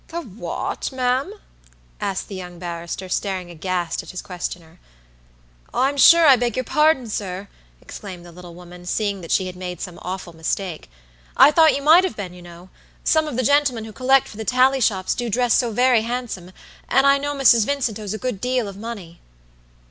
"The what, ma'am?" asked the young barrister, staring aghast at his questioner. "I'm sure I beg your pardon, sir," exclaimed the little woman, seeing that she had made some awful mistake. "I thought you might have been, you know. Some of the gentlemen who collect for the tally shops do dress so very handsome; and I know Mrs. Vincent owes a good deal of money."